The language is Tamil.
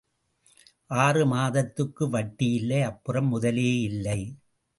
ஆறு மாதத்துக்கு வட்டி இல்லை அப்புறம் முதலே இல்லை.